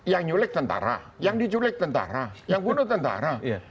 yang nyulek tentara yang diculik tentara yang bunuh tentara